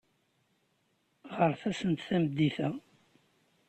Ɣret-asent tameddit-a.